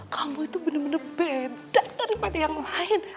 kamu tuh bener bener beda daripada yang lain